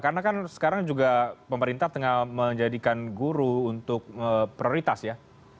karena kan sekarang juga pemerintah tengah menjadikan guru untuk prioritas ya